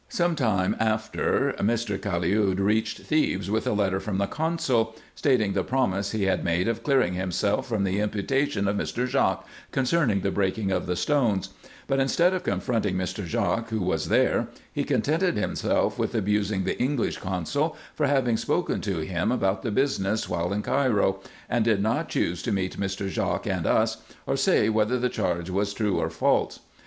Sometime after Mr. Caliud reached Thebes with a letter from the consul, stating the promise he had made of clearing himself from the imputation of Mr. Jaques concerning the breaking of the stones ; but instead of con fronting Mr. Jaques, who was there, he contented himself with abusing the English consid for having spoken to him about the business while in Cairo, and did not choose to meet Mr. Jaques and us, or say whether the charge were true or false.